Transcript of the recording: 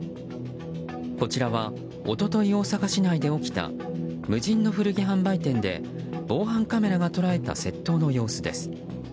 こちらは、一昨日大阪市内で起きた無人の古着販売店で防犯カメラが捉えた窃盗の様子です。